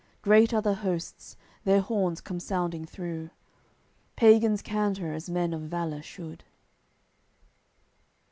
Great are the hosts, their horns come sounding through. Pagans canter as men of valour should.